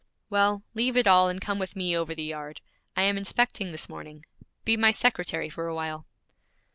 'Well, leave it all and come with me over the yard. I am inspecting this morning. Be my secretary for a while.'